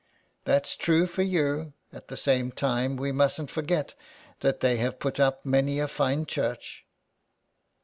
" That's true for you ; at the same time we musnt forget that they have put up many a fine church."